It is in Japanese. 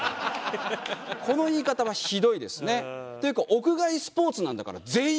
この言い方はひどいですね。というか屋外スポーツなんだから全員外野だし。